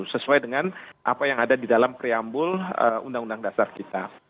sesuai dengan apa yang ada di dalam kriambul undang undang dasar kita